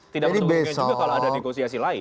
tidak bisa berhubungan juga kalau ada negosiasi lain